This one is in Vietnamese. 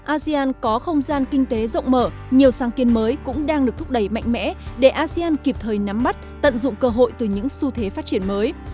asean có không gian kinh tế rộng mở nhiều sáng kiến mới cũng đang được thúc đẩy mạnh mẽ để asean kịp thời nắm bắt tận dụng cơ hội từ những xu thế phát triển mới